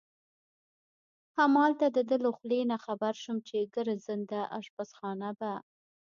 همالته د ده له خولې نه خبر شوم چې ګرځنده اشپزخانه به.